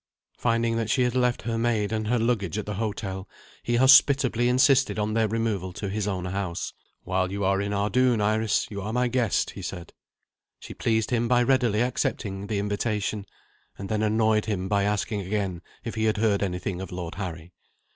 Finding that she had left her maid and her luggage at the hotel, he hospitably insisted on their removal to his own house. "While you are in Ardoon, Iris, you are my guest," he said. She pleased him by readily accepting the invitation and then annoyed him by asking again if he had heard anything of Lord Harry.